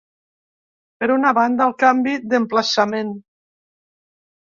Per una banda, el canvi d’emplaçament.